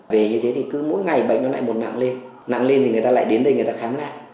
về như thế thì cứ mỗi ngày bệnh nó lại một nặng lên nặng lên thì người ta lại đến đây người ta khám lại